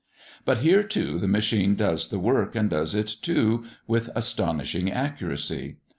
But here, too, the machine does the work, and does it, too, with astonishing accuracy.